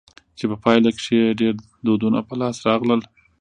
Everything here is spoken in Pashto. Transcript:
چي په پايله کښي ئې ډېر دودونه په لاس راغلل.